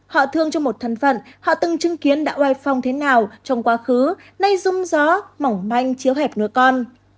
họ thương cho một thân phận họ từng chứng kiến đã oai phong thế nào trong quá khứ nay rung gió mỏng manh chiếu hẹp nứa con